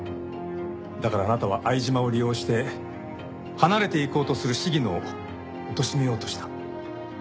だからあなたは相島を利用して離れていこうとする鴫野をおとしめようとした。